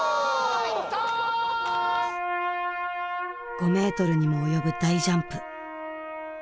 ５メートルにも及ぶ大ジャンプ